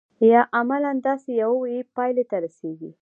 یا عملاً داسې یوې پایلې ته رسیږي.